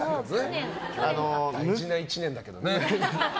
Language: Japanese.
大事な１年だけどね。